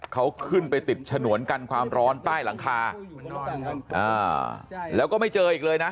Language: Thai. เขาขึ้นไปติดฉนวนกันความร้อนใต้หลังคาอ่าแล้วก็ไม่เจออีกเลยนะ